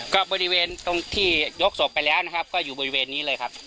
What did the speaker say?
ก็บริเวณตรงที่ยกศพไปแล้วนะครับก็อยู่บริเวณนี้เลยครับ